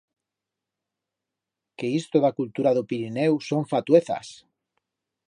Que isto d'a cultura d'o Pirineu son fatuezas.